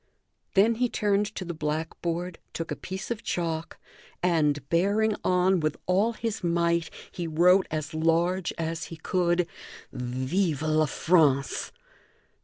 Then he turned to the blackboard, took a piece of chalk, and, bearing on with all his might, he wrote as large as he could: "Vive La France!"